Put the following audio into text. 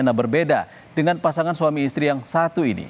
berbeda dengan pasangan suami istri yang satu ini